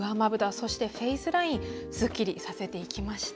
そして、フェイスラインすっきりさせていきました。